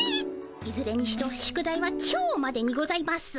いずれにしろ宿題は今日までにございます。